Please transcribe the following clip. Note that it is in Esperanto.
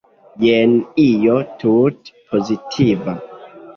Jen io tute pozitiva.